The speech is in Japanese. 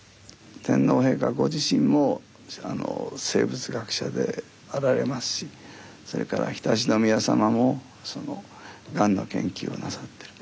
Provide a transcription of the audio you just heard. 天皇陛下ご自身も生物学者であられますしそれから常陸宮さまもガンの研究をなさってる。